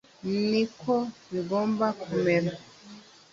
niko bigomba kumera